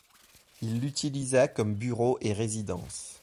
Il l'utilisa comme bureau et résidence.